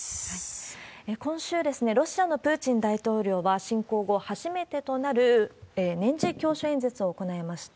今週、ロシアのプーチン大統領は、侵攻後初めてとなる年次教書演説を行いました。